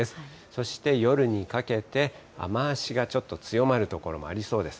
そして夜にかけて雨足がちょっと強まる所もありそうです。